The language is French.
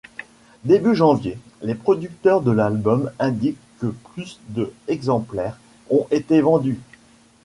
Début janvier, les producteurs de l'album indique que plus de exemplaires ont été vendus.